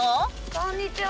こんにちは！